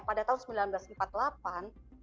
pada tahun seribu sembilan ratus empat puluh delapan